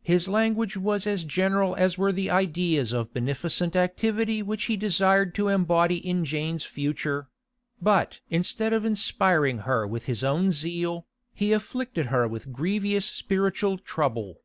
His language was as general as were the ideas of beneficent activity which he desired to embody in Jane's future; but instead of inspiring her with his own zeal, he afflicted her with grievous spiritual trouble.